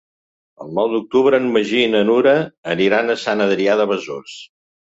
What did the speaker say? El nou d'octubre en Magí i na Nura aniran a Sant Adrià de Besòs.